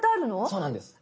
そうなんです。